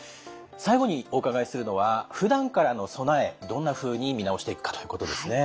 最後にお伺いするのはふだんからの備えどんなふうに見直していくかということですね。